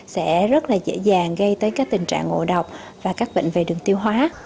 sẽ rất là dễ dàng gây tới các tình trạng ngộ độc và các bệnh về đường tiêu hóa